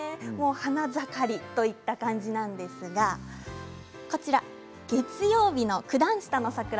もう花盛りといった感じなんですが月曜日の九段下の桜